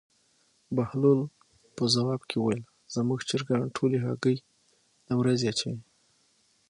بهلول په ځواب کې وویل: زموږ چرګان ټولې هګۍ د ورځې اچوي.